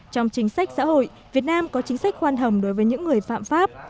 trong chính sách xã hội việt nam có chính sách khoan hồng đối với những người phạm pháp